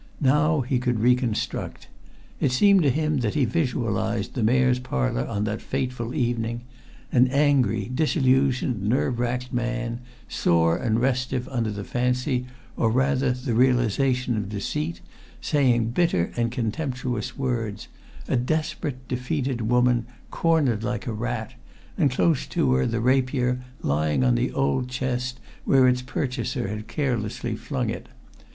Now he could reconstruct. It seemed to him that he visualized the Mayor's Parlour on that fateful evening. An angry, disillusioned, nerve racked man, sore and restive under the fancy, or, rather, the realization of deceit, saying bitter and contemptuous words; a desperate, defeated woman, cornered like a rat and close to her hand the rapier, lying on the old chest where its purchaser had carelessly flung it.